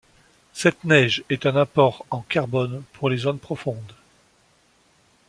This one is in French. Cette neige est un apport en carbone pour les zones profondes.